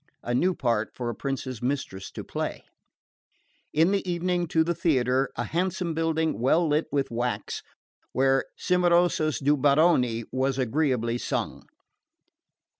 A new part for a prince's mistress to play! In the evening to the theatre, a handsome building, well lit with wax, where Cimarosa's Due Baroni was agreeably sung.